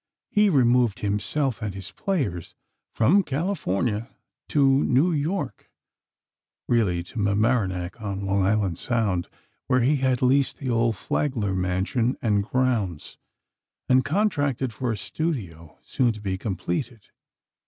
He removed himself and his players from California to New York, really to Mamaroneck, on Long Island Sound, where he had leased the old Flagler mansion and grounds, and contracted for a studio, soon to be completed.